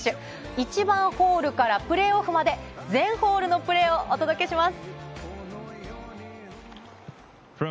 １番ホールからプレーオフまで全ホールのプレーをお届けします。